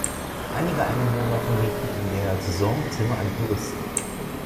Einige Einwohner vermieten in der Saison Zimmer an Touristen.